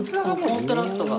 コントラストが。